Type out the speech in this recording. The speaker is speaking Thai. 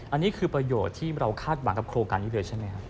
อันนี้คือประโยชน์ที่เราคาดหวังกับโครงการนี้เลยใช่ไหมครับ